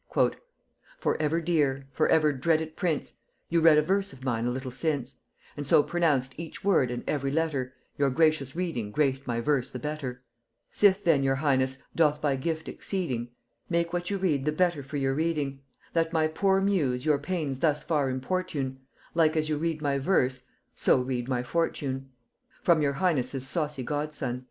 "For ever dear, for ever dreaded prince, You read a verse of mine a little since; And so pronounced each word and every letter, Your gracious reading graced my verse the better: Sith then your highness doth by gift exceeding Make what you read the better for your reading; Let my poor muse your pains thus far importune, Like as you read my verse, so read my fortune. "_From your Highness' saucy Godson.